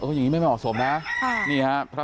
อย่างนี้ไม่เหมาะสมนะ